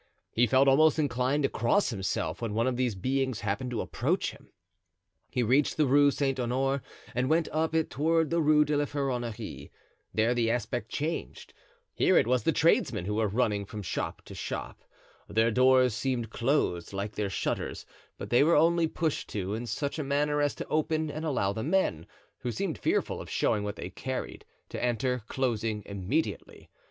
He felt almost inclined to cross himself when one of these beings happened to approach him. He reached the Rue Saint Honore and went up it toward the Rue de la Ferronnerie; there the aspect changed; here it was the tradesmen who were running from shop to shop; their doors seemed closed like their shutters, but they were only pushed to in such a manner as to open and allow the men, who seemed fearful of showing what they carried, to enter, closing immediately.